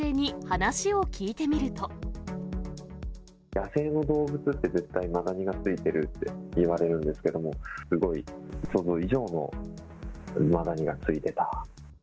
野生の動物って、絶対にマダニがついてるっていわれるんですけれども、すごい想像以上のマダニがついてた。